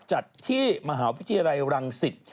จัดที่มหาวิทยาลัยรังสิต